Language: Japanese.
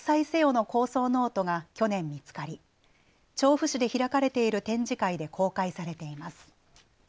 の構想ノートが去年、見つかり調布市で開かれている展示会で公開されています。